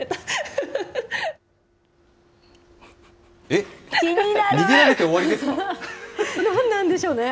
えっ？何なんでしょうね。